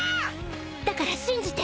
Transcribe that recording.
だから信じて！